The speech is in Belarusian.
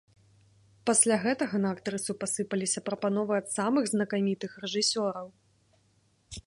Пасля гэтага на актрысу пасыпаліся прапановы ад самых знакамітых рэжысёраў.